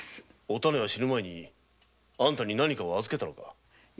お種は死ぬ前にあんたに何かを預けたのか？